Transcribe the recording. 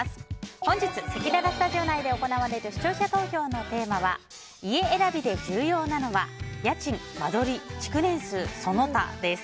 本日せきららスタジオ内で行われる視聴者投票のテーマは家選びで重要なのは家賃・間取り・築年数・その他です。